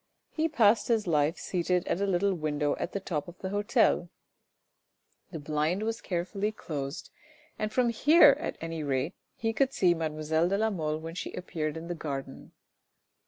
He passed his life seated at a little window at the top of the hotel ; the blind was carefully closed, and from here at anyrate he could see mademoiselle de la Mole when she appeared in the garden.